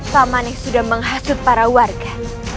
paman yang sudah menghasut para warga